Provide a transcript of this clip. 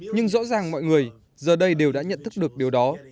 nhưng rõ ràng mọi người giờ đây đều đã nhận thức được điều đó